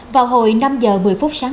vào hồi năm h một mươi phút sáng